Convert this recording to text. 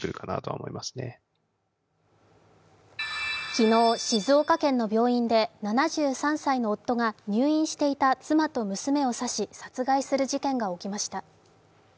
昨日、静岡県の病院で７３歳の夫が入院していた妻と娘を刺し殺害する事件が起きました。